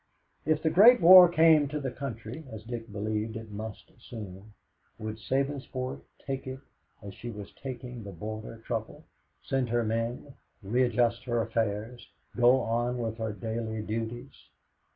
If the Great War came to the country, as Dick believed it must soon, would Sabinsport take it as she was taking the Border Trouble send her men, readjust her affairs, go on with her daily duties?